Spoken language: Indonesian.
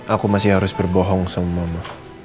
aku masih harus berbohong sama mama